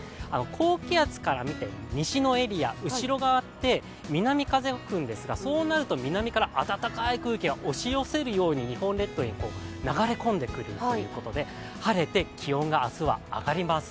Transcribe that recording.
高気圧から見て西のエリア後ろ側って南風が吹くんですがそうなると南から暖かい空気が押し寄せるように日本列島に流れ込んでくるということで、晴れて気温が明日は上がります。